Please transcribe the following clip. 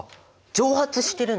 蒸発してるんだ！